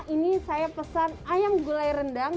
ini saya pesan ayam gulai rendang